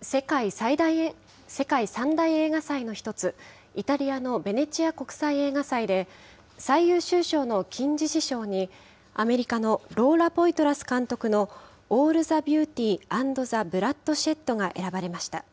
世界３大映画祭の１つ、イタリアのベネチア国際映画祭で、最優秀賞の金獅子賞に、アメリカのローラ・ポイトラス監督のオール・ザ・ビューティー・アンド・ザ・ブラッドシェッドが選ばれました。